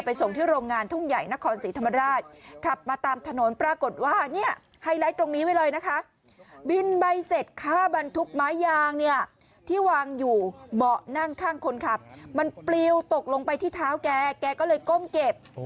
ผู้ช่วยินใบเสร็จข้าวบรรทุกไม้ยางเนี่ยที่วางอยู่เบาะนั่งข้างคนขับมันปลิวตกลงไปที่เท้าแกแกก็เลยก้มเก็บ